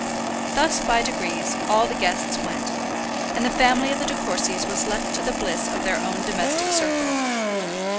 Thus by degrees all the guests went, and the family of the De Courcys was left to the bliss of their own domestic circle.